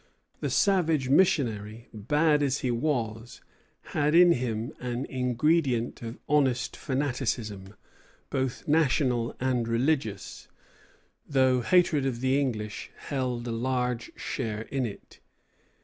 The savage missionary, bad as he was, had in him an ingredient of honest fanaticism, both national and religious; though hatred of the English held a large share in it.